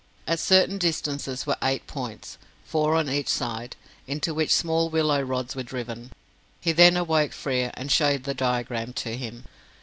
At certain distances were eight points four on each side into which small willow rods were driven. He then awoke Frere and showed the diagram to him.